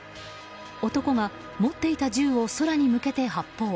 男が持っていた銃を空に向けて発砲。